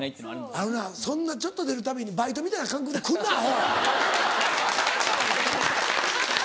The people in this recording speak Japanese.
あのなそんなちょっと出るためにバイトみたいな感覚で来んなアホ！